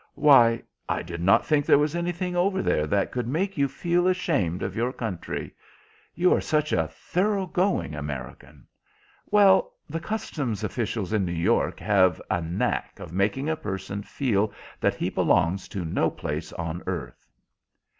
"Why, I did not think there was anything over there that could make you feel ashamed of your country. You are such a thorough going American." "Well, the Customs officials in New York have a knack of making a person feel that he belongs to no place on earth."